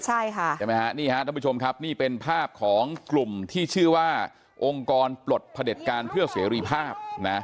ใช่ไหมฮะนี่ฮะท่านผู้ชมครับนี่เป็นภาพของกลุ่มที่ชื่อว่าองค์กรปลดพระเด็จการเพื่อเสรีภาพนะ